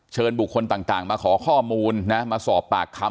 บุคคลต่างมาขอข้อมูลนะมาสอบปากคำ